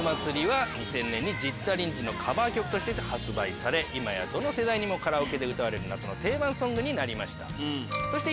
２０００年にジッタリン・ジンのカバー曲として発売されどの世代にもカラオケで歌われる夏の定番ソングになりました。